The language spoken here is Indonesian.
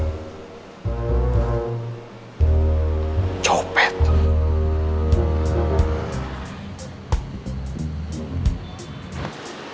sampai jumpa di video selanjutnya